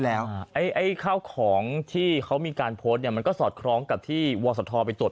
แล้วฮะไอ้ข้าวของที่เขามีการโพสต์เนี่ยมันก็สอดคล้องกับที่วศธไปตรวจ